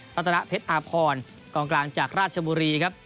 รัฐนาเพชรอาพรกองกลางจากราชบุรีครับ